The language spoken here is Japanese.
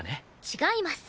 違います。